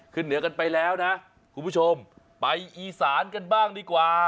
เหนือกันไปแล้วนะคุณผู้ชมไปอีสานกันบ้างดีกว่า